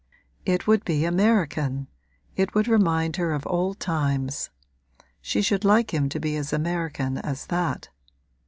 It would be American, it would remind her of old times; she should like him to be as American as that.